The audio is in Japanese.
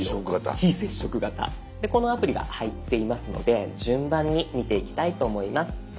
このアプリが入っていますので順番に見ていきたいと思います。